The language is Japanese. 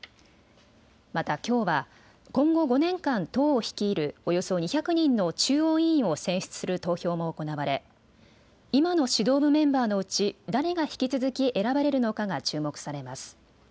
また、きょうは今後５年間党を率いるおよそ２００人の中央委員を選出する投票も行われ今の指導部メンバーのうち誰が引き続き選ばれるのかが注目されます。